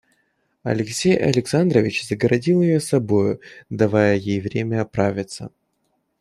Алексей Александрович загородил ее собою, давая ей время оправиться.